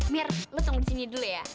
mir lu tunggu di sini dulu ya